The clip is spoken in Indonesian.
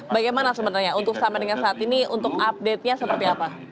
bagaimana sebenarnya untuk sampai dengan saat ini untuk update nya seperti apa